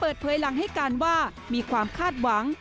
เปิดเผยหลังให้การว่ามีความคาดหวัง